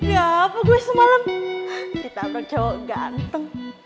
wih apa gue semalam ditabrak cowok ganteng